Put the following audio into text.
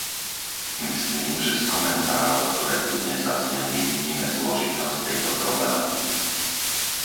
Myslím, že z komentárov, ktoré tu dnes zazneli, vidíme zložitosť tejto problematiky.